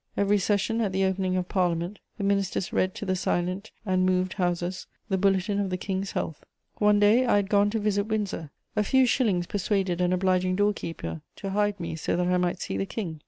Every session, at the opening of Parliament, the ministers read to the silent and moved Houses the bulletin of the King's health. One day I had gone to visit Windsor: a few shillings persuaded an obliging door keeper to hide me so that I might see the King.